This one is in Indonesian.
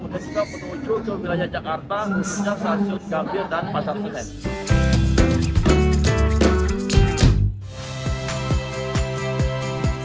juga menuju ke wilayah jakarta stasiun gambir dan pasar tenen